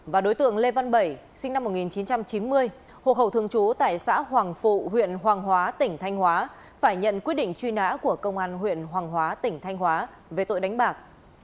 và đối tượng lê văn bảy sinh năm một nghìn chín trăm chín mươi hộ khẩu thường trú tại xã hoàng phụ huyện hoàng hóa tỉnh thanh hóa phải nhận quyết định truy nã của công an huyện hoàng hóa tỉnh thanh hóa về tội đánh bạc